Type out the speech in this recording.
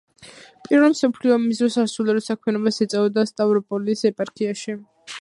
პირველი მსოფლიო ომის დროს სასულიერო საქმიანობას ეწეოდა სტავროპოლის ეპარქიაში.